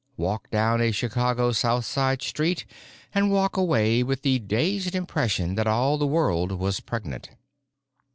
Walk down a Chicago Southside street, and walk away with the dazed impression that all the world was pregnant.